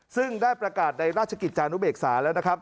ซึ่งได้ประกาศในราชกิจจานุเบกษาแล้วนะครับ